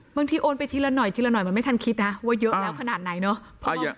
โอนไปทีละหน่อยทีละหน่อยมันไม่ทันคิดนะว่าเยอะแล้วขนาดไหนเนาะ